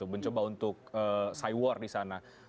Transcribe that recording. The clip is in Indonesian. mencoba untuk saywar di sana